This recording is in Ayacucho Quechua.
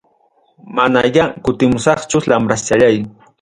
Manamya kutimusaqchu lambraschallay.